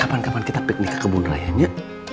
kapan kapan kita piknik ke kebun rayanya